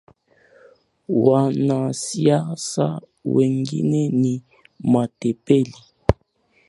Wanasiasa wengine ni matepeli